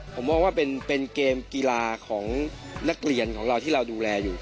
ผมมองว่าเป็นเกมกีฬาของนักเรียนของเราที่เราดูแลอยู่